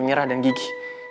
mirah dan gigi